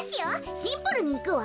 シンプルにいくわ。